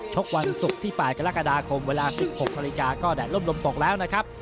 วันศุกร์ที่๘กรกฎาคมเวลา๑๖นาฬิกาก็แดดล่มลมตกแล้วนะครับ